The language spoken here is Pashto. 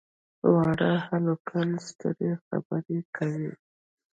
واړه هلکان سترې خبرې کوي.